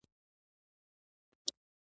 خاموشي د غوږو لپاره آرام دی.